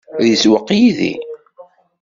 Ad isewweq yid-i?